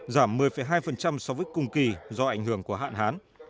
giảm một mươi hai so với cùng kỳ do ảnh hưởng của hạn hán